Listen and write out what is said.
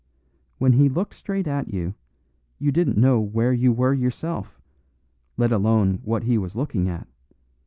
When he looked straight at you, you didn't know where you were yourself, let alone what he was looking at.